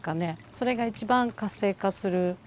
それが一番活性化する。